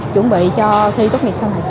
chuẩn bị cho thi tốt nghiệp sau này